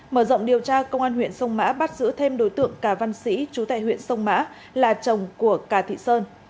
mở rộng điều tra công an huyện sông mã bắt giữ thêm đối tượng cà văn sĩ chú tại huyện sông mã là chồng của cà thị sơn